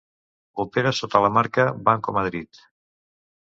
Opera sota la marca Banco Madrid.